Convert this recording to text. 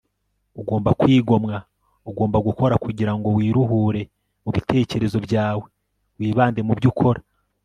ugomba kwigomwa. ugomba gukora, kugira ngo wiruhure mu bitekerezo byawe, wibande ku byo ukora